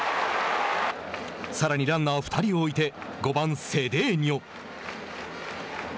さらにランナー２人を置いて５番セデーニョ。